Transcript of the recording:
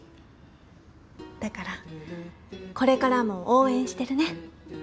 だからこれからも応援してるね。